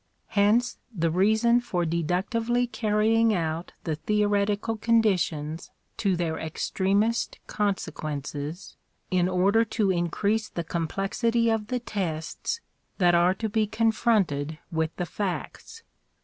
Hence the reason fcr deductively carrying out the theoretical conditions to their extremest consequences in order to increase the complexity of the tests that are to be confronted with the facts.